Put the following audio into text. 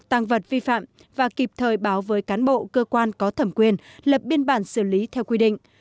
tăng vật vi phạm và kịp thời báo với cán bộ cơ quan có thẩm quyền lập biên bản xử lý theo quy định